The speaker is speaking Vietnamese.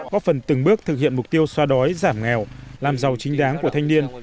góp phần từng bước thực hiện mục tiêu so đối giảm nghèo làm giàu chính đáng của thanh niên